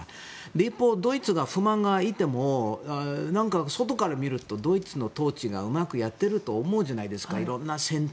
一方、ドイツが不満があっても外から見るとドイツの統治がうまくやっていると思うじゃないですか。